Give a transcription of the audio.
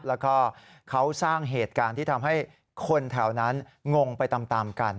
แล้วก็เขาสร้างเหตุการณ์ที่ทำให้คนแถวนั้นงงไปตามกัน